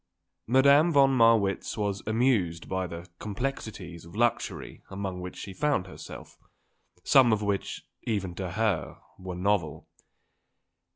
Madame von Marwitz was amused by the complexities of luxury among which she found herself, some of which, even to her, were novel.